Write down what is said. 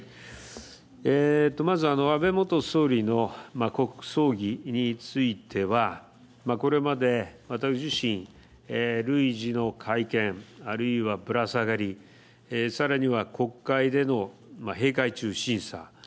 まず、安倍元総理の国葬儀についてはこれまで私自身、類似の会見あるいは、ぶら下がりさらには国会での閉会中審査。